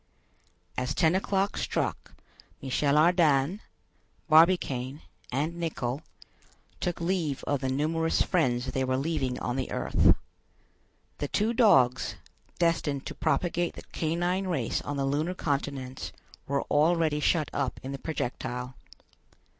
As ten o'clock struck, Michel Ardan, Barbicane, and Nicholl, took leave of the numerous friends they were leaving on the earth. The two dogs, destined to propagate the canine race on the lunar continents, were already shut up in the projectile.